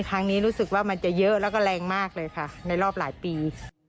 ครั้งนี้รู้สึกว่ามันจะเยอะแล้วก็แรงมากเลยค่ะในรอบหลายปี